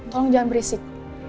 tolong jangan berisik